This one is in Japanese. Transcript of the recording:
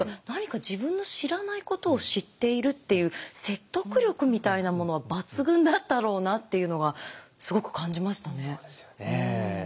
何か自分の知らないことを知っているっていう説得力みたいなものは抜群だったろうなっていうのはすごく感じましたね。